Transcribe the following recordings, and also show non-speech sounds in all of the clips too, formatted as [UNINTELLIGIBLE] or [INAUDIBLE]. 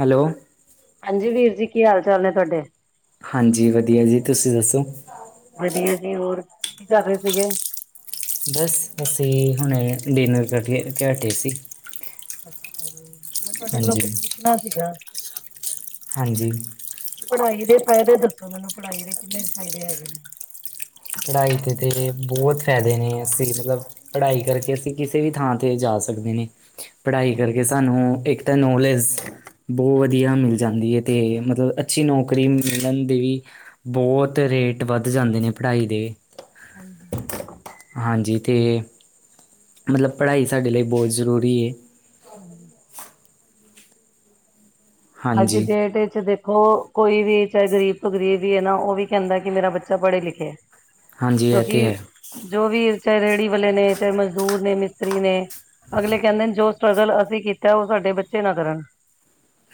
Hello ਹਾਂਜੀ। ਵੀਰ ਜੀ ਕੀ ਚਾਲ ਤੁਹਾਡੇ? ਹਾਂਜੀ ਵਧੀਆ ਜੀ। ਤੁਸੀਂ ਦੱਸੋ? ਵਧੀਆ ਜੀ। ਹੋਰ ਕੀ ਕਰ ਰਹੇ ਸੀਗੇ? ਬਸ ਅਸੀਂ ਹੁਣੇ ਡਿਨਰ ਕਰ ਕੇ ਹਟੇ ਸੀ। ਅੱਛਾ ਜੀ ਮੈ ਤੁਹਾਡੇ ਕੋਲੋਂ ਹਾਂਜੀ ਕੁੱਛ ਪੁੱਛਣਾ ਸੀਗਾ? ਹਾਂਜੀ। ਪੜ੍ਹਾਈ ਦੇ ਫਾਇਦੇ ਦੱਸੋ? ਮੈਨੂੰ ਪੜ੍ਹਾਈ ਦੇ ਕਿੰਨੇ ਫਾਇਦੇ ਹੈਗੇ ਨੇ ਪੜ੍ਹਾਈ ਤੇ ਤਾਂ ਬਹੁਤ ਫ਼ੈਦੇ ਨੇ ਅਸੀਂ ਮਤਲਬ ਪੜ੍ਹਾਈ ਕਰਕੇ ਅਸੀਂ ਕਿਸੇ ਵੀ ਥਾਂ ਤੇ ਜਾ ਸਕਦੇ ਨੇ ਪੜ੍ਹਾਈ ਕਰਕੇ ਹਾਂਜੀ ਸਾਨੂੰ ਇੱਕ ਤੇ ਨੋਲੇਜ ਬਹੁਤ ਵਧੀਆ ਮਿਲ ਜਾਂਦੀ ਹੈ। ਤੇ ਮਤਲਬ ਅੱਛੀ ਨੌਕਰੀ ਮਿਲਣ ਦੀ ਵੀ ਬਹੁਤ ਰੇਟ ਵੱਧ ਜਾਂਦੇ ਨੇ ਪੜ੍ਹਾਈ ਦੇ। ਹਾਂਜੀ ਹਾਂਜੀ ਤੇ ਮਤਲਬ ਪੜ੍ਹਾਈ ਸਾਡੇ ਲਈ ਬਹੁਤ ਜ਼ਰੂਰੀ ਏ। [INAUDIBLE] ਅੱਜ ਦੀ ਹਾਂਜੀ ਡੇਟ 'ਚ ਦੇਖ ਖੋ ਕੋਈ ਵੀ ਚਾਏ ਗ਼ਰੀਬ ਤੋਂ ਗ਼ਰੀਬ ਵੀ ਹੈ ਨਾ ਓ ਵੀ ਕੈਂਦਾ ਕਿ ਮੇਰਾ ਬੱਚਾ ਪੜ੍ਹੇ ਲਿਖੇ। ਹਾਂਜੀ ਇਹ ਤਾਂ ਕਿਉਂਕਿ ਹੈ ਜੋ ਵੀ ਚਾਏ ਰੇੜੀ ਵਾਲੇ ਨੇ, ਚਾਏ ਮਜ਼ਦੂਰ ਨੇ ਮਿਸਤਰੀ ਨੇ ਅਗਲੇ ਕੈਂਦੇਨ ਜੋ ਸਟਰਗਲ ਅਸੀਂ ਕੀਤਾ ਓ ਸਾਡੇ ਬੱਚੇ ਨਾ ਕਰਨ।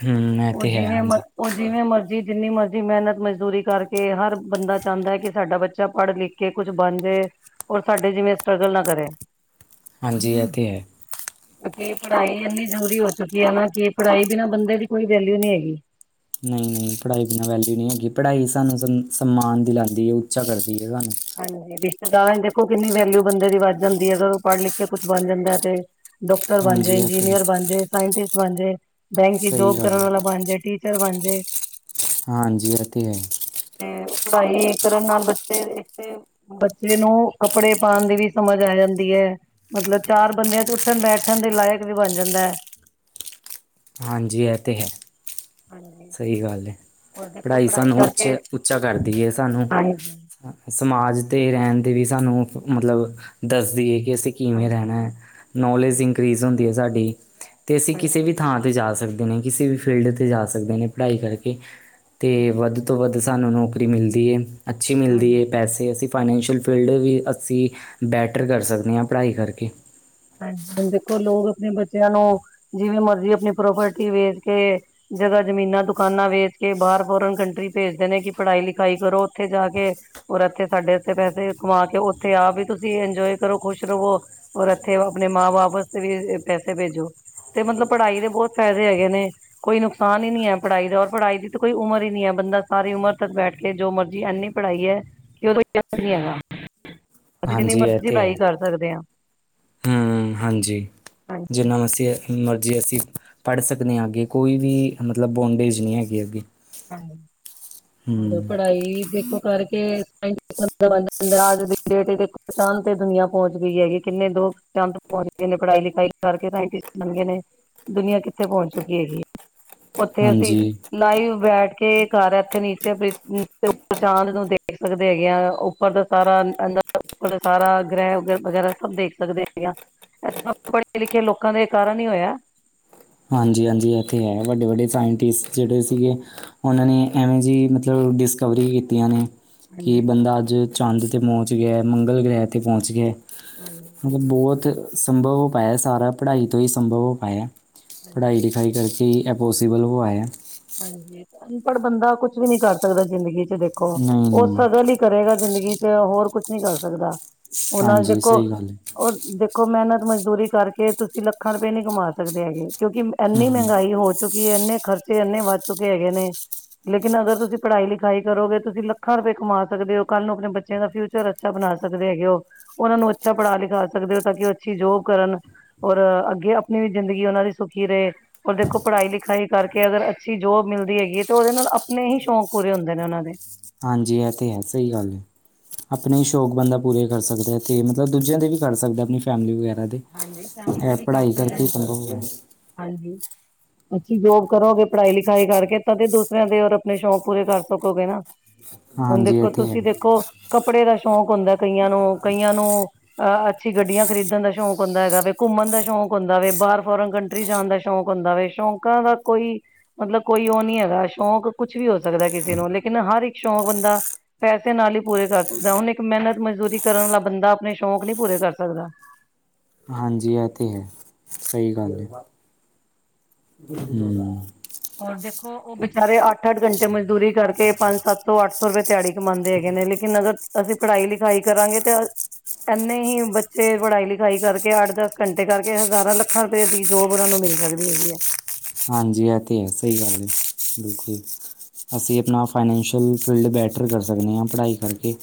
ਹੂੰ ਇਹ ਓ ਤੇ ਹੈ ਜਿਵੇਂ ਮਰ ਹਾਂਜੀ ਓ ਜਿਵੇਂ ਮਰ ਜੀ ਜਿੰਨੀ ਮਰਜ਼ੀ ਮੈਨਤ ਮਜ਼ਦੂਰੀ ਕਰਕੇ ਹਰ ਬੰਦਾ ਚਾਂਦਾ ਐ ਕਿ ਸਾਡਾ ਬੱਚਾ ਪੜ੍ਹ ਲਿਖ ਕੇ ਕੁਛ ਬਨ ਜੇ। ਔਰ ਸਾਡੇ ਜਿਵੇਂ ਸਟਰਗਲ ਨਾ ਕਰੇ। ਹਾਂਜੀ, ਐ ਤੇ ਹੈ। ਕਿਉਂਕਿ ਪੜ੍ਹਾਈ ਇੰਨੀ ਜ਼ਰੂਰੀ ਹੋ ਚੁੱਕੀ ਐ ਨਾ ਕਿ ਪੜ੍ਹਾਈ ਬਿਨਾ ਬੰਦੇ ਦੀ ਕੋਈ ਵੈਲਿਊ ਨੀ ਹੈਗੀ। ਨਈ-ਨਈ ਪੜ੍ਹਾਈ ਬਿਨਾਂ ਵੈਲਿਊ ਨੀ ਹੈਗੀ, ਪੜ੍ਹਾਈ ਸਾਨੂੰ ਸ ਸਨਮਾਨ ਦਿਲਾਂਦੀ ਐ, ਉੱਚਾ ਕਰਦੀ ਐ ਸਾਨੂੰ। ਹਾਂਜੀ ਰਿਸ਼ਤੇਦਾਰਾਂ 'ਚ ਦੇਖੋ ਕਿੰਨੀ ਵੈਲਿਊ ਬੰਦੇ ਦੀ ਵੱਧ ਜਾਂਦੀ ਐ ਅਗਰ ਓ ਪੜ੍ਹ ਲਿਖ ਕੇ ਕੁਛ ਬਨ ਜਾਂਦਾ ਤੇ। ਡਾਕਟਰ ਬਨ ਜੇ, ਹਾਂਜੀ ਇਹ ਤੇ ਹੈ ਇੰਜੀਨੀਅਰ ਬਨ ਜੇ, ਸਾਇੰਟਿਸਟ ਬਨ ਜੇ, ਬੈਂਕ ਚ ਸਹੀ ਜੋਬ ਗੱਲ ਕਰਨ ਹੈ ਵਾਲਾ ਬਣ ਜੇ ਟੀ ਟੀਚਰ ਬਨ ਜੇ। ਹਾਂਜੀ, ਐ ਤੇ ਹੈ। ਤੇ ਪੜ੍ਹਾਈ ਕਰਨ ਨਾਲ ਬੱਚੇ ਤੇ ਬੱਚੇ ਨੂੰ ਕੱਪੜੇ ਪਾਨ ਦੀ ਵੀ ਸਮਝ ਆ ਜਾਂਦੀ ਐ। ਮਤਲਬ ਚਾਰ ਬੰਦੇਆਂ 'ਚ ਉੱਠਨ ਬੈਠਨ ਦੇ ਲਾਇਕ ਵੀ ਬਨ ਜਾਂਦਾ ਐ। ਹਾਂਜੀ, ਐ ਤੇ ਹੈ। ਹਾਂਜੀ ਸਈ ਗੱਲ ਏ, ਔਰ ਦੇਖੋ ਪੜ੍ਹਾਈ ਸਾਨੂੰ ਕਰਕੇ ਉੱਚੇ ਉੱਚਾ ਕਰਦੀ ਏ, ਸਾਨੂੰ ਹਾਂਜੀ ਸਮਾਜ ਤੇ ਰੈਨ ਦੇ ਵੀ ਸਾਨੂੰ ਮਤਲਬ ਦੱਸਦੀ ਏ ਕਿ ਅਸੀਂ ਕਿਵੇਂ ਹਾਂਜੀ ਰੈਣਾ ਐ, ਨੌਲੇਜ ਹਾਂਜੀ ਇੰਕਰੀਜ਼ ਹੁੰਦੀ ਐ ਸਾਡੀ। ਤੇ ਅਸੀਂ ਕਿਸੇ ਹਾਂਜੀ ਵੀ ਥਾਂ 'ਤੇ ਜਾ ਸਕਦੇ ਨੇ, ਕਿਸੇ ਵੀ ਫੀਲਡ 'ਤੇ ਜਾ ਸਕਦੇ ਨੇ ਪੜ੍ਹਾਈ ਕਰਕੇ। ਤੇ ਵੱਧ ਤੋਂ ਵੱਧ ਸਾਨੂੰ ਨੌਕਰੀ ਮਿਲਦੀ ਏ, ਅੱਛੀ ਮਿਲਦੀ ਹਾਂਜੀ ਏ, ਪੈਸੇ ਅਸੀਂ ਫਾਈਨੈਂਸ਼ੀਅਲ ਫੀਲਡ ਵੀ ਅਸੀਂ ਬੈਟਰ ਕਰ ਸਕਨੇ ਆਂ ਪੜ੍ਹਾਈ ਕਰਕੇ। ਹਾਂਜੀ ਹੁਨ ਦੇਖੋ ਲੋਗ ਅਪਨੇ ਬੱਚੇਆਂ ਨੂੰ ਜਿਵੇਂ ਮਰਜ਼ੀ ਅਪਨੀ ਪ੍ਰੋਪਰਟੀ ਵੇਚ ਕੇ ਜਗ੍ਹਾ ਜਮੀਨਾਂ ਦੁਕਾਨਾਂ ਵੇਚ ਕੇ, ਬਾਰ ਫੋਰਨ ਕੰਟਰੀ ਭੇਜਦੇ ਨੇ ਕਿ ਪੜ੍ਹਾਈ ਲਿਖਾਈ ਕਰੋ ਓਥੇ ਜਾ ਕੇ। ਔਰ ਐਥੇ, ਸਾਡੇ ਐਥੇ ਪੈਸੇ ਕਮਾ ਕੇ ਓਥੇ ਆਪ ਈ ਤੁਸੀਂ ਇੰਜੋਏ ਕਰੋ ਖੁਸ਼ ਰਵੋ ਔਰ ਇ ਐਥੇ ਅਪਨੇ ਮਾਂ ਬਾਪ ਅਸਤੇ ਵੀ ਪੈਸੇ ਭੇਜੋ ਤੇ ਮਤਲਬ ਪੜ੍ਹਾਈ ਦੇ ਬੋਤ ਫ਼ਾਇਦੇ ਹੈਗੇ ਨੇ। ਕੋਈ ਨੁਕਸਾਨ ਈ ਨਹੀਂ ਐ, ਪੜ੍ਹਾਈ ਦਾ ਔਰ ਪੜ੍ਹਾਈ ਦੀ ਤਾਂ ਕੋਈ ਉਮਰ ਈ ਨੀ ਐ, ਬੰਦਾ ਸਾਰੀ ਉਮਰ ਤੱਕ ਬੈਠ ਕੇ ਜੋ ਮਰਜ਼ੀ ਐਨੀ ਪੜ੍ਹਾਈ ਐ ਕਿ ਓਦਾ [UNINTELLIGIBLE] ਹੈਗਾ ਅਸੀ ਜਿੰਨੀ ਹਾਂਜੀ ਇਹ ਮਰਜ਼ੀ ਤਾਂ ਪੜ੍ਹਾਈ ਹੈ ਕਰ ਸਕਦੇ ਆ। ਹੂੰ, ਹਾਂਜੀ, ਹਾਂਜੀ ਜਿਨਾਂ ਅਸੀਂ ਅ ਮਰਜ਼ੀ ਅਸੀਂ ਪੜ੍ਹ ਸਕਨੇ ਆਂ ਅੱਗੇ ਕੋਈ ਵੀ ਮਤਲਬ ਬੌਂਡੇਜ਼ ਨੀ ਹੈਗੀ ਅੱਗੇ। ਹਾਂ ਹੂੰ [UNINTELLIGIBLE] ਪੜ੍ਹਾਈ ਦੇ [UNINTELLIGIBLE] ਅੱਜ ਦੀ ਡੇਟ ਤੇ ਦੇਖੋ ਚਾਂਦ ਤੇ ਦੁਨੀਆਂ ਪੋਚ ਗਈ ਹੈਗੀ ਕਿੰਨੇ ਲੋਕ ਚੰਦ ਤੇ ਪੋਚ ਗਏ ਨੇ ਪੜ੍ਹਾਈ ਲਿਖਾਈ ਕਰਕੇ ਸਾਇੰਟਿਸਟ ਬਨ ਗਏ ਨੇ ਦੁਨੀਆਂ ਕਿੱਥੇ ਪੋਚ ਚੁੱਕੀ ਹੈਗੀ ਏ। ਓਥੇ ਅਸੀਂ ਹਾਂਜੀ ਲਾਈਵ ਬੈਠ ਕੇ ਘਰ ਐਥੇ ਨੀਚੇ ਪ੍ਰਿਥਵੀ ਤੇ ਉਪਰ ਚਾਂਦ ਨੂੰ ਦੇਖ ਸਕਦੇ ਹੈਗੇ ਆ, ਉੱਪਰ ਦਾ ਸਾਰਾ [UNINTELLIGIBLE] ਸਾਰਾ ਗ੍ਰਹਿ ਵਗੈਰਾ ਸਭ ਦੇਖ ਸਕਦੇ ਹੈਗੇ ਆ। ਐ ਸਬ ਪੜੇ-ਲਿਖੇ ਲੋਕਾਂ ਦੇ ਕਾਰਨ ਹੀ ਹੋਇਆ। ਹਾਂਜੀ-ਹਾਂਜੀ, ਐ ਤੇ ਹੈ ਵੱਡੇ-ਵੱਡੇ ਸਾਇੰਟਿਸਟ ਜੇੜੇ ਸੀਗੇ ਓਨਾਂ ਨੇ ਐਵੇਂ ਜੀ ਮਤਲਬ ਡਿਸਕਵਰੀ ਕੀਤੀਆਂ ਨੇ। ਕਿ ਹਾਂਜੀ ਬੰਦਾ ਅੱਜ ਚੰਦ ਤੇ ਪੌਂਚ ਗਯਾ, ਮੰਗਲ ਗ੍ਰਹਿ ਤੇ ਪੌਂਚ ਗਯਾ। ਹੂੰ। ਮਤਲਬ ਬੋਤ ਸੰਭਵ ਹੋ ਪਾਏਆ ਸਾਰਾ ਪੜ੍ਹਾਈ ਤੋਂ ਹੀ ਸੰਭਵ ਹੋ ਪਾਏਆ। ਹਾਂਜੀ ਪੜ੍ਹਾਈ ਲਿਖਾਈ ਕਰਕੇ ਹੀ ਐ ਪੋਸੀਬਲ ਹੋ ਆਏਆ। ਹਾਂਜੀ, ਅਨਪੜ੍ਹ ਬੰਦਾ ਕੁਛ ਵੀ ਨੀ ਕਰ ਸਕਦਾ ਜ਼ਿੰਦਗੀ ਚ ਦੇਖੋ। ਉਹ ਨਹੀਂ-ਨਹੀਂ ਸਦਾ ਲਈ ਕਰੇਗਾ ਜ਼ਿੰਦਗੀ ਚ, ਹੋਰ ਕੁਛ ਨੀ ਕਰ ਸਕਦਾ। ਉਹਨਾਂ ਹਾਂਜੀ ਦੇਖੋ ਸਹੀ ਗੱਲ ਹੈ। ਉਹ ਦੇ ਦੇਖੋ, ਮਿਹਨਤ ਮਜ਼ਦੂਰੀ ਕਰਕੇ ਤੁਸੀਂ ਲੱਖਾਂ ਰੁਪਏ ਨਹੀਂ ਕਮਾ ਸਕਦੇ ਹੈਗੇ, ਕਿਉਂਕਿ ਇੰਨੀ ਹੂੰ, ਮਹਿੰਗਾਈ ਹੋਈ ਚੁੱਕੀ ਏ, ਇੰਨੇ ਖਰਚੇ ਇੰਨੇ ਵੱਧ ਚੁੱਕੇ ਹੈਗੇ ਨੇ। ਲੇਕਿਨ ਅਗਰ ਤੁਸੀਂ ਪੜ੍ਹਾਈ ਲਿਖਾਈ ਕਰੋਗੇ, ਤੁਸੀਂ ਲੱਖਾਂ ਰੁਪਏ ਕਮਾ ਸਕਦੇ ਹੋ, ਕੱਲ੍ਹ ਨੂੰ ਆਪਣੇ ਬੱਚਿਆਂ ਦਾ ਫਿਊਚਰ ਅੱਛਾ ਬਣਾ ਸਕਦੇ ਹੈਗੇ ਹੋ, ਉਹਨਾਂ ਨੂੰ ਅੱਛਾ ਪੜ੍ਹਾ ਲਿਖਾ ਸਕਦੇ ਹੋ ਤਾਂ ਕਿ ਉਹ ਅੱਛੀ ਜੋਬ ਕਰਨ। ਔਰ ਅੱਗੇ ਆਪਣੀ ਵੀ ਜ਼ਿੰਦਗੀ ਉਹਨਾਂ ਦੀ ਸੁਖੀ ਰਹੇ, ਔਰ ਦੇਖੋ ਪੜ੍ਹਾਈ ਲਿਖਾਈ ਕਰਕੇ ਕਿ ਅਗਰ ਅੱਛੀ ਜੋਬ ਹੈਗੀ ਏ ਤੇ ਉਹਦੇ ਨਾਲ ਆਪਣੇ ਹੀ ਸ਼ੌਂਕ ਪੂਰੇ ਹੁੰਦੇ ਨੇ ਉਹਨਾਂ ਦੇ। ਹਾਂਜੀ ਇਹ ਤੇ ਹੈ, ਸਹੀ ਗੱਲ ਏ। ਆਪਣੇ ਸ਼ੌਕ ਬੰਦਾ ਪੂਰੇ ਕਰ ਸਕਦਾ, ਏਥੇ ਤੇ ਮਤਲਬ ਦੂਜਿਆਂ ਦੇ ਵੀ ਕਰ ਸਕਦਾ ਆਪਣੀ ਫੈਮਿਲੀ ਵਗੈਰਾ ਦੇ। ਹਾਂਜੀ, ਫੈਮਲੀ ਦੇ ਇਹ ਵੀ ਕਰ ਪੜ੍ਹਾਈ ਸਕਦਾ। ਕਰਕੇ ਹੀ ਸੰਭਵ ਹੋਇਆ ਅੱਛੀ ਜੋਬ ਕਰੋਗੇ, ਪੜ੍ਹਾਈ ਲਿਖਾਈ ਕਰਕੇ ਤਾਂ ਦੂਸਰਿਆਂ ਦੇ ਰ ਆਪਣੇ ਸ਼ੌਂਕ ਪੂਰੇ ਕਰ ਸਕੋਗੇ ਨਾ। ਹੁਣ ਹਾਂਜੀ ਇਹ ਦੇਖੋ ਤੇ ਹੈ। ਤੁਸੀਂ ਦੇਖੋ ਕੱਪੜੇ ਦਾ ਸ਼ੌਕ ਹੁੰਦਾ ਕਈਆਂ ਨੂੰ, ਕਈਆਂ ਨੂੰ ਅਹ ਅੱਛੀ ਗੱਡੀਆਂ ਖਰੀਦਣ ਦਾ ਸ਼ੌਕ ਹੁੰਦਾ ਹੈਗਾ ਵਾ, ਘੁੰਮਣ ਦਾ ਸ਼ੌਕ ਹੁੰਦਾ ਵੇ, ਬਾਹਰ ਫੋਰਨ ਕੰਟਰੀ ਜਾਣ ਦਾ ਸ਼ੌਕ ਹੁੰਦਾ ਵੇ। ਸ਼ੌਕਾਂ ਦਾ ਕੋਈ ਮਤਲਬ ਕੋਈ ਉਹ ਨੀ ਹੈਗਾ ਸ਼ੌਕ ਕੁਛ ਵੀ ਹੋ ਸਕਦਾ ਕਿਸੇ ਨੂੰ, ਲੇਕਿਨ ਹਰ ਇੱਕ ਸ਼ੌਕ ਬੰਦਾ ਪੈਸੇ ਨਾਲ ਹੀ ਪੂਰੇ ਕਰ ਸਕਦਾ, ਹੁਣ ਮਿਹਨਤ ਮਜ਼ਦੂਰੀ ਕਰਨ ਬੰਦਾ ਆਪਣੇ ਸ਼ੌਕ ਨਹੀਂ ਪੂਰੇ ਕਰ ਸਕਦਾ। ਹਾਂਜੀ ਆ ਤੇ ਹੈ, ਸਹੀ ਗੱਲ ਹੈ। ਹਮ ਹੋਰ ਦੇਖੋ, ਉਹ ਵਿਚਾਰੇ ਅੱਠ-ਅੱਠ ਘੰਟੇ ਮਜ਼ਦੂਰੀ ਕਰਕੇ ਪੰਜ ਸੱਤ ਤੋਂ ਅੱਠ ਸੌ ਰੁਪਏ ਦਿਹਾੜੀ ਕਮਉਂਦੇ ਹੈਗੇ ਨੇ, ਲੇਕਿਨ ਅਗਰ ਅਸੀਂ ਪੜ੍ਹਾਈ ਲਿਖਾਈ ਕਰਾਂਗੇ ਤੇ ਇੰਨੇ ਹੀ ਬੱਚੇ ਪੜ੍ਹਾਈ ਲਿਖਾਈ ਕਰਕੇ ਅੱਠ-ਦਸ ਘੰਟੇ ਕਰਕੇ ਹਜ਼ਾਰਾਂ ਲੱਖਾਂ ਰੁਪਏ ਦੀ ਜੋਬ ਉਹਨਾਂ ਨੂੰ ਮਿਲ ਸਕਦੀ ਹੈਗੀ ਏ। ਹਾਂਜੀ ਇਹ ਤੇ ਏ ਸਹੀ ਗੱਲ ਹੈ। ਬਿਲਕੁਲ। ਅਸੀਂ ਆਪਣਾ ਫਾਈਨੈਂਸ਼ੀਅਲ ਫੀਲਡ ਬੈਟਰ ਕਰ ਸਕਦੇ ਆ। ਪੜ੍ਹਾਈ ਕਰਕੇ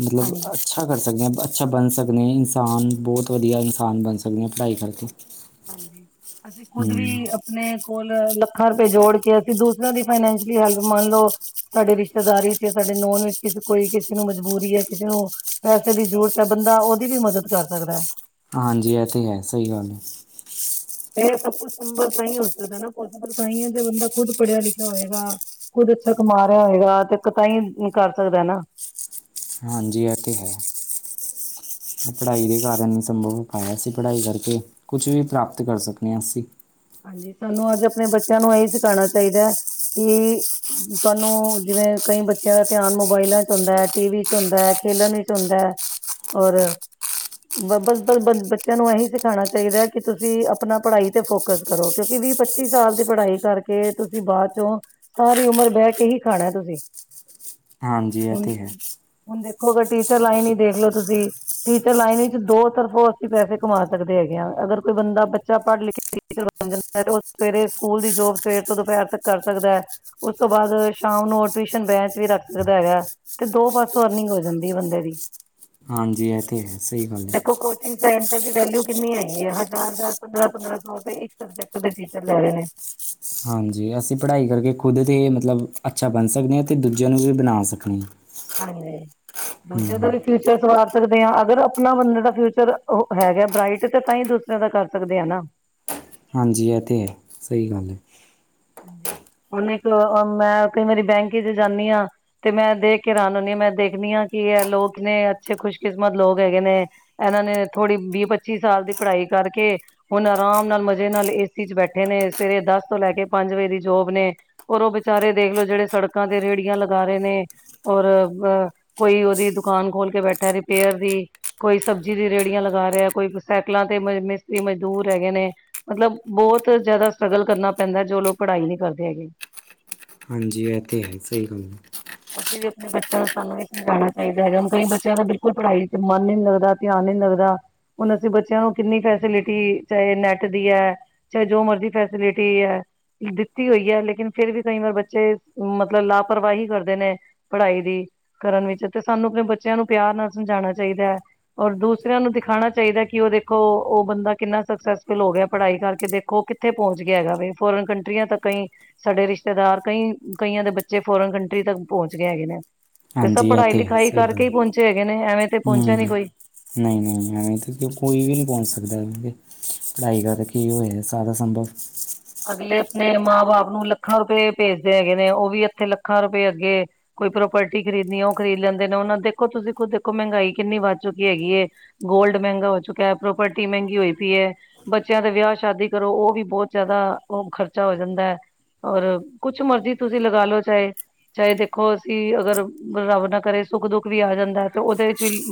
ਮਤਲਬ ਅੱਛਾ ਕਰ ਸਕਦੇ ਹਾਂ, ਅੱਛਾ ਬਣ ਸਕਦੇ ਇਨਸਾਨ, ਬਹੁਤ ਵਧੀਆ ਇਨਸਾਨ ਬਣ ਸਕਦੇ ਆ ਪੜ੍ਹਾਈ ਕਰਕੇ। ਹਾਂਜੀ, ਅਸੀਂ ਖੁਦ ਹਮ ਵੀ ਆਪਣੇ ਕੋਲ ਲੱਖਾਂ ਰੁਪਏ ਜੋੜ ਕੇ ਅਸੀਂ ਦੂਸਰਿਆਂ ਦੀ ਫਾਈਨੈਂਸ਼ਅਲੀ ਹੈਲਪ। ਮੰਨ ਲਓ ਸਾਡੇ ਰਿਸ਼ਤੇਦਾਰੀ ਚ ਸਾਡੇ ਨੋਨ ਵਿੱਚ ਕਿਸ ਕੋਈ ਕਿਸੇ ਨੂੰ ਮਜਬੂਰੀ ਹੈ ਕਿਸੇ ਨੂੰ ਪੈਸੇ ਦੀ ਜ਼ਰੂਰਤ ਹੈ, ਬੰਦਾ ਉਹ ਦੀ ਵੀ ਮਦਦ ਕਰ ਸਕਦਾ। ਹਾਂਜੀ ਇਹ ਤੇ ਹੈ, ਸਹੀ ਗੱਲ। ਇਹ ਸਭ ਕੁਛ ਸੰਭਵ ਨਹੀਂ ਹੋ ਸਕਦਾ ਨਾ, ਪੋਸੀਬਲ ਤਾਂ ਏ ਜੇ ਬੰਦਾ ਖੁਦ ਪੜ੍ਹਿਆ ਲਿਖਿਆ ਹੋਏਗਾ। ਕੁੱਝ ਅੱਛਾ, ਕਮਾ ਰਿਹਾ ਹੋਗਾ ਤੇ ਤਾਂਹੀ ਕਰ ਸਕਦਾ ਨਾ। ਹਾਂਜੀ, ਇਹ ਤਾਂ ਹੈ। ਪੜ੍ਹਾਈ ਦੇ ਕਾਰਨ ਨ ਸੰਭਵ ਹੋ ਪਾਇਆ ਸੀ, ਪੜ੍ਹਾਈ ਕਰਕੇ ਕੁਛ ਵੀ ਪ੍ਰਾਪਤ ਕਰ ਸਕਦੇ ਹਾਂ ਅਸੀਂ। ਹਾਂਜੀ, ਸਾਨੂੰ ਅੱਜ ਆਪਣੇ ਬੱਚਿਆਂ ਨੂੰ ਇਹੀ ਸਿਖਾਣਾ ਚਾਹੀਦਾ ਕਿ ਤੁਹਾਨੂੰ ਜਿਵੇਂ ਕਈ ਬੱਚਿਆਂ ਦਾ ਧਿਆਨ ਮੋਬਾਇਲਾਂ ਚ ਹੁੰਦਾ ਹੈ, ਟੀ ਵੀ ਚ ਹੁੰਦਾ ਹੈ, ਖੇਲਣ ਵਿੱਚ ਹੁੰਦਾ ਹੈ। ਔਰ ਬ ਬਸ ਬ ਬਸ ਬੱਚਿਆਂ ਨੂੰ ਇਹੀ ਸਿਖਾਉਣਾ ਚਾਹੀਦਾ ਹੈ, ਕਿ ਤੁਸੀਂ ਆਪਣਾ ਪੜ੍ਹਾਈ ਤੇ ਫੋਕਸ ਕਰੋ, ਕਿਉਂਕਿ ਵੀਹ ਪੱਚੀ ਸਾਲ ਦੀ ਪੜ੍ਹਾਈ ਕਰਕੇ ਤੁਸੀਂ ਬਾਅਦ ਚੋਂ ਸਾਰੀ ਉਮਰ ਬਹਿ ਕੇ ਹੀ ਖਾਣਾ ਤੁਸੀਂ। ਹਾਂਜੀ, ਇਹ ਹੁਣ ਤੇ ਹੈ। ਹੁਣ ਦੇਖੋ ਅਗਰ ਟੀਚਰ ਲਾਈਨ ਹੀ ਦੇਖ ਲੋ ਤੁਸੀਂ। ਟੀਚਰ ਲਾਈਨ ਵਿੱਚ ਦੋ ਤਰਫੋਂ ਅਸੀਂ ਪੈਸੇ ਕਮਾ ਸਕਦੇ ਹੈਗੇ ਹਾਂ, ਅਗਰ ਕੋਈ ਬੰਦਾ ਬੱਚਾ ਪੜ੍ਹ ਲਿਖ ਕੇ ਉਹ ਸਵੇਰੇ ਸਕੂਲ ਦੀ ਜੋਬ ਸਵੇਰ ਤੋਂ ਦੁਪਹਿਰ ਤੱਕ ਕਰ ਸਕਦਾ ਹੈ। ਉਸ ਤੋਂ ਬਾਅਦ ਸ਼ਾਮ ਨੂੰ ਟਿਊਸ਼ਨ ਬੈਂਚ ਵੀ ਰੱਖ ਸਕਦਾ ਹੈਗਾ। ਤੇ ਦੋ ਪਾਸੋਂ ਅਰਨਿੰਗ ਹੋ ਜਾਂਦੀ ਹੈ ਬੰਦੇ ਦੀ। ਹਾਂਜੀ, ਇਹ ਤਾਂ ਹੈ ਸਹੀ ਗੱਲ ਹੈ। ਪੈਸੇ ਦੀ ਵੈਲਊ ਕਿੰਨੀ ਹੈਗੀ ਹੈ ਹਜ਼ਾਰ-ਹਜ਼ਾਰ ਪੰਦਰਾਂ- ਪੰਦਰਾਂ ਸੌ ਇੱਕ ਸਬਜੈਕਟ ਦੇ ਟੀਚਰ ਲੈ ਰਹੇ ਨੇ। ਹਾਂਜੀ, ਅਸੀਂ ਪੜ੍ਹਾਈ ਕਰਕੇ ਖੁਦ ਦੇ ਮਤਲਬ ਅੱਛਾ ਬਣ ਸਕਦੇ ਹਾਂ, ਤੇ ਦੂਜਿਆਂ ਨੂੰ ਵੀ ਬਣਾ ਸਕਦੇ ਹਾਂ। ਹਾਂਜੀ, ਦੂਜਿਆਂ ਦਾ ਹੂੰ ਵੀ ਫੀਯੂ ਫਿਊਚਰ ਸਵਾਰ ਸਕਦੇ ਹਾਂ। ਅਗਰ ਆਪਣਾ ਬੰਦੇ ਦਾ ਫਿਊਚਰ ਹੈਗਾ ਬਰਾਈਟ, ਤੇ ਤਾਂ ਹੀ ਦੂਸਰਿਆਂ ਦਾ ਕਰ ਸਕਦੇ ਆ ਨਾ। ਹਾਂਜੀ, ਇਹ ਤਾਂ ਹੈ ਸਹੀ ਗੱਲ ਹੈ। ਹੁਣ ਇੱਕ ਅ ਮੈਂ ਕਈ ਵਾਰੀ‌ ਬੈਂਕ ਚ ਜਾਂਦੀ ਹਾਂ ਤੇ ਮੈਂ ਦੇਖ ਕੇ ਰਾਨ ਹੁਨੀ ਹਾਂ, ਮੈਂ ਦੇਖਦੀ ਹਾਂ ਕਿ ਲੋਕ ਕਿੰਨੇ ਅੱਛੇ ਖੁਸ਼ਕਿਸਮਤ ਲੋਕ ਹੈਗੇ ਨੇ ਇਹਨਾਂ ਨੇ ਥੋੜੀ ਵੀਹ-ਪੱਚੀ ਸਾਲ ਦੀ ਪੜ੍ਹਾਈ ਕਰਕੇ ਹੁਣ ਆਰਾਮ ਨਾਲ ਮਜ਼ੇ ਨਾਲ ਏ ਸੀ ਚ ਬੈਠੇ ਨੇ, ਸਵੇਰੇ ਦਸ ਤੋਂ ਲੈ ਕੇ ਪੰਜ ਵਜੇ ਦੀ ਜੋਬ ਨੇ। ਔਰ ਉਹ ਵਿਚਾਰੇ ਦੇਖਲੋ ਜਿਹੜੇ ਸੜਕਾਂ ਤੇ ਰੇਹੜੀਆਂ ਲਗਾ ਰਹੇ ਨੇ ਔਰ ਬ ਕੋਈ ਉਹਦੀ ਦੁਕਾਨ ਖੋਲ ਕੇ ਬੈਠਾ ਰਿਪੇਅਰ ਦੀ। ਕੋਈ ਸਬਜ਼ੀ ਦੀ ਰੇਹੜੀਆਂ ਲਗਾ ਰਿਹਾ, ਕੋਈ ਸਾਈਕਲਾਂ ਤੇ ਮਿਸਤਰੀ ਮਜ਼ਦੂਰ ਹੈਗੇ ਨੇ। ਮਤਲਬ ਬਹੁਤ ਜ਼ਿਆਦਾ ਸਟਰਗਲ ਕਰਨਾ ਪੈਂਦਾ ਏ, ਜੋ ਲੋਕ ਪੜ੍ਹਾਈ ਨਹੀਂ ਕਰਦੇ ਹੈਗੇ। ਹਾਂਜੀ, ਇਹ ਤੇ ਹੈ ਸਹੀ ਗੱਲ ਹੈ। [INAUDIBLE] ਵੀ ਆਪਣੇ ਬੱਚਿਆਂ ਨੂੰ ਸਾਨੂੰ ਏਹੀ ਸਮਝਾਉਣਾ ਚਾਹੀਦਾ ਹੈਗਾ, ਹੁਣ ਕਈ ਬੱਚਿਆਂ ਦਾ ਬਿਲਕੁਲ ਪੜ੍ਹਾਈ ਚ ਮਨ ਈ ਨੀ ਲੱਗਦਾ, ਧਿਆਨ ਈਨੀ ਲੱਗਦਾ ਹੁਣ ਅਸੀਂ ਬੱਚਿਆਂ ਨੂੰ ਕਿੰਨੀ ਫੈਸਿਲਿਟੀ ਚਾਹੇ ਨੈਟ ਦੀ ਹੈ ਚਾਹੇ ਜੋ ਮਰਜ਼ੀ ਫੈਸਿਲਿਟੀ ਈ ਹੈ ਦਿੱਤੀ ਹੋਈ ਹੈ, ਲੇਕਿਨ ਫਿਰ ਵੀ ਕਈ ਵਾਰ ਬੱਚੇ ਮਤਲਬ ਲਾਪਰਵਾਹੀ ਕਰਦੇ ਨੇ। ਪੜ੍ਹਾਈ ਦੀ ਕਰਨ ਵਿੱਚ, ਤੇ ਸਾਨੂੰ ਆਪਣੇ ਬੱਚਿਆਂ ਨੂੰ ਪਿਆਰ ਨਾਲ ਸਮਝਾਉਣਾ ਚਾਹੀਦਾ ਹੈ ਔਰ ਦੂਸਰਿਆਂ ਨੂੰ ਦਿਖਾਉਣਾ ਚਾਹੀਦਾ ਏ, ਕਿ ਉਹ ਦੇਖੋ ਉਹ ਬੰਦਾ ਕਿੰਨਾ ਸਕਸੈਸਫੁਲ ਹੋ ਗਿਆ ਪੜ੍ਹਾਈ ਕਰਕੇ ਦੇਖੋ ਕਿਥ ਕਿੱਥੇ ਪਹੁੰਚ ਗਿਆ ਹੈਗਾ ਵੇ, ਫੋਰਨ ਕੰਟਰੀਆਂ ਤੱਕ ਕਈ ਸਾਡੇ ਰਿਸ਼ਤੇਦਾਰ ਕਈ ਕਈਆਂ ਦੇ ਬੱਚੇ ਫੋਰਨ ਤੱਕ ਪਹੁੰਚ ਹੈਗੇ ਨੇ। ਤੇ ਸਭ ਹਾਂਜੀ ਇਹ ਪੜ੍ਹਾਈ ਤੇ ਹੈ ਲਿਖਾਈ ਸਹੀ ਗੱਲ ਕਰਕੇ ਹੀ ਪਹੁੰਚੇ ਹੈਗੇ ਨੇ, ਐਵੇਂ ਤੇ ਪਹੁੰਚਿਆ ਨੀ ਕੋਈ। ਨਹੀਂ-ਨਹੀਂ, ਐਵੇਂ ਤੇ ਕੋਈ ਵੀ ਨਹੀਂ ਪਹੁੰਚ ਸਕਦਾ ਐਵੇਂ ਤੇ। ਪੜਾਈ ਦਾ ਤਾਂ ਕੀ ਹੋਏ ਸਾਰਾ ਸੰਬੰਧ ਅਗਲੇ ਆਪਣੇ ਮਾਂ ਬਾਪ ਨੂੰ ਲੱਖਾਂ ਰੁਪਏ ਭੇਜਦੇ ਹੈਗੇ ਨੇ, ਉਹ ਵੀ ਇੱਥੇ ਲੱਖਾਂ ਰੁਪਏ ਅੱਗੇ ਕੋਈ ਪ੍ਰੋਪਰਟੀ ਖਰੀਦਣੀ ਉਹ ਖਰੀਦ ਲੈਂਦੇ ਨੇ, ਉਹਨਾਂ ਦੇਖੋ ਤੁਸੀਂ ਖੁਦ ਦੇਖੋ ਮਹਿੰਗਾਈ ਕਿੰਨੀ ਵੱਧ ਚੁੱਕੀ ਹੈਗੀ ਏ। ਗੋਲਡ ਮਹਿੰਗਾ ਹੋ ਚੁੱਕੀਆਂ ਹੈ, ਪ੍ਰੋਪਰਟੀ ਮਹਿੰਗੀ ਹੋਈ ਪਈ ਹੈ, ਬੱਚਿਆਂ ਦੇ ਵਿਆਹ ਸ਼ਾਦੀ ਕਰੋ ਉਹ ਵੀ ਬਹੁਤ ਜ਼ਿਆਦਾ ਉਹ ਖਰਚਾ ਹੋ ਜਾਂਦਾ ਹੈ, ਔਰ ਕੁਛ ਮਰਜ਼ੀ ਤੁਸੀਂ ਲਗਾ ਲਓ ਚਾਹੇ ਚਾਹੇ ਦੇਖੋ ਅਸੀਂ ਅਗਰ ਰੱਬ ਨਾ ਕਰੇ ਸੁੱਖ-ਦੁੱਖ ਵੀ ਆ ਜਾਂਦਾ ਹੈ, ਤੇ ਉਹਦੇ ਵਿੱਚ ਵੀ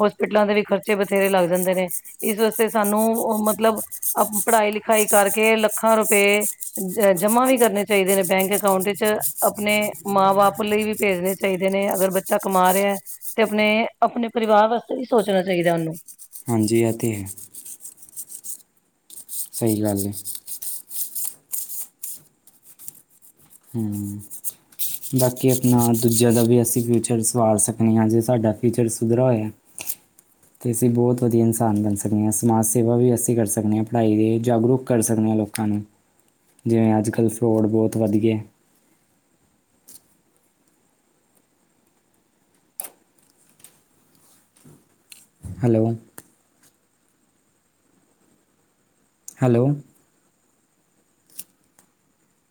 ਹੋਸਪਿਟਲਾਂ ਦੇ ਵੀ ਖਰਚੇ ਬਥੇਰੇ ਲੱਗ ਜਾਂਦੇ ਨੇ ਇਸ ਵਾਸਤੇ ਸਾਨੂੰ ਮਤਲਬ ਅ ਪੜ੍ਹਾਈ ਲਿਖਾਈ ਕਰਕੇ ਲੱਖਾਂ ਰੁਪਏ ਅ ਜ ਜਮਾ ਵੀ ਕਰਨੇ ਚਾਹੀਦੇ ਨੇ ਬੈਂਕ ਅਕਾਊਂਟ ਚ, ਆਪਣੇ ਮਾਂ ਬਾਪ ਲਈ ਵੀ ਭੇਜਣੇ ਚਾਹੀਦੇ ਨੇ ਅਗਰ ਬੱਚਾ ਕਮਾ ਰਿਹਾ ਤੇ ਆਪਣੇ-ਆਪਣੇ ਪਰਿਵਾਰ ਵਾਸਤੇ ਵੀ ਸੋਚਣਾ ਚਾਹੀਦਾ ਉਹਨੂੰ। ਹਾਂਜੀ ਇਹ ਤੇ ਹੈ। ਸਹੀ ਗੱਲ ਹੈ। ਹਮ। ਬਾਕੀ ਆਪਣਾ ਦੂਜਿਆਂ ਦਾ ਵੀ ਅਸੀਂ ਫਿਊਚਰ ਸੰਵਾਰ ਸਕਦੇ ਹਾਂ, ਜੇ ਸਾਡਾ ਫਿਊਚਰ ਸੁਧਰਾ ਹੋਇਆ। [INAUDIBLE] ਅਤੇ ਅਸੀਂ ਬਹੁਤ ਵਧੀਆ ਇਨਸਾਨ ਬਣ ਸਕਦੇ ਹਾਂ, ਸਮਾਜ ਸੇਵਾ ਵੀ ਅਸੀਂ ਕਰ ਸਕਦੇ ਹਾਂ, ਪੜ੍ਹਾਈ ਦੇ ਜਾਗਰੂਕ ਕਰ ਸਕਦੇ ਹਾਂ ਲੋਕ ਲੋਕਾਂ ਨੂੰ ਜਿਵੇਂ ਅੱਜ-ਕੱਲ੍ਹ ਫਰੋਡ ਬਹੁਤ ਵੱਧਗੇ ਹੈ। ਹੈਲੋ। ਹੈਲੋ।